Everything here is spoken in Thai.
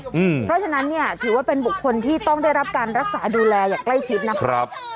เพราะฉะนั้นเนี่ยถือว่าเป็นบุคคลที่ต้องได้รับการรักษาดูแลอย่างใกล้ชิดนะครับ